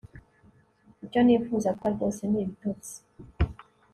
Icyo nifuza gukora rwose ni ibitotsi